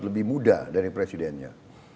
lebih muda dari presidennya